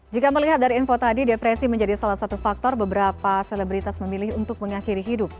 jika melihat dari info tadi depresi menjadi salah satu faktor beberapa selebritas memilih untuk mengakhiri hidup